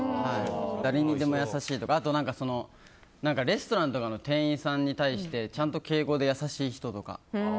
誰にでも優しいとかあと、レストランとかの店員さんに対してちゃんと敬語で優しい人とか。